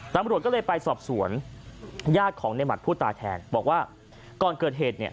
ตำรวจก็เลยไปสอบสวนญาติของในหมัดผู้ตายแทนบอกว่าก่อนเกิดเหตุเนี่ย